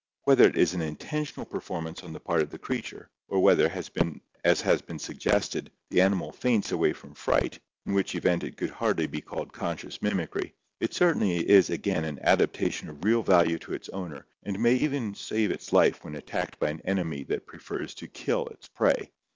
Whether it is an intentional performance on the part of the creature, or whether, as has been suggested, the animal faints away from fright, in which event it could hardly be called conscious mimicry, it certainly is again an adaptation of real value to its owner and may often save its life when attacked by an enemy that prefers to kill its prey.